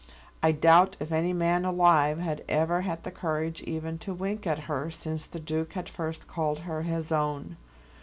I doubt if any man alive had ever had the courage even to wink at her since the Duke had first called her his own.